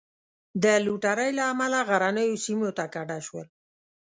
د لوټرۍ له امله غرنیو سیمو ته کډه شول.